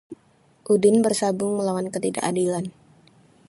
Udin bersabung melawan ketidakadilan